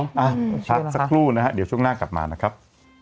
เนอะชื่อน่ะค่ะครับสักครู่นะครับเดี๋ยวช่วงหน้ากลับมานะครับ